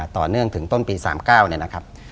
ต่อเนื่องถึงต้นปี๓๙เนี่ยนะครับ